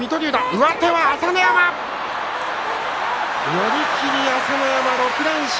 寄り切り、朝乃山６連勝。